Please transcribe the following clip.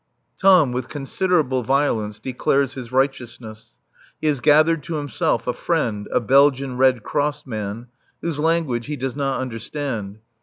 Tom with considerable violence declares his righteousness. He has gathered to himself a friend, a Belgian Red Cross man, whose language he does not understand.